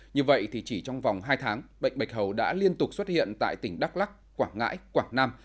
như vậy thì chỉ trong vòng hai tháng bệnh bạch hầu đã liên tục xuất hiện tại tỉnh đắk lắc quảng ngãi quảng nam